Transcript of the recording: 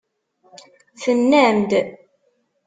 Tennam-d.